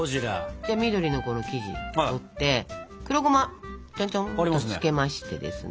じゃあ緑のこの生地取って黒ゴマちょんちょんとつけましてですね。